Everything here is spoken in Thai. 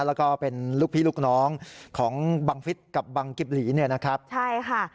แล้วก็เป็นลูกพี่ลูกน้องของบังฟิศกับบังกิบหลีเนี่ยนะครับใช่ค่ะ